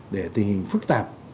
để tình hình phức tạp